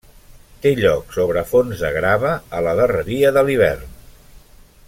Té lloc sobre fons de grava a la darreria de l'hivern.